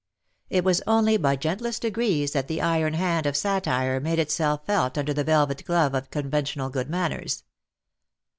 It was only by gentlest degrees that the iron hand of satire made itself felt under the velvet glove of conventional good manners.